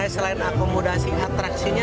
selain akomodasi atraksinya